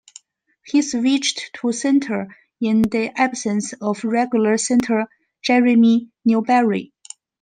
He switched to center in the absence of regular center Jeremy Newberry.